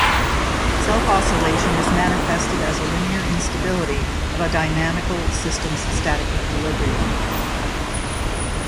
Self-oscillation is manifested as a linear instability of a dynamical system's static equilibrium.